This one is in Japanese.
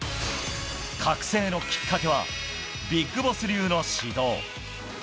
覚醒のきっかけはビッグボス流の指導。